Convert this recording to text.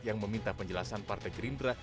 yang meminta penjelasan partai gerindra